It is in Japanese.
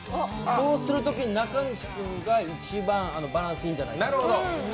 そうするときに中西君が一番バランスいいんじゃないかなって。